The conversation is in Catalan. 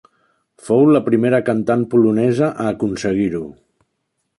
Fou la primera cantant polonesa a aconseguir-ho.